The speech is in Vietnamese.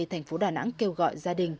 thành phố đà nẵng kêu gọi gia đình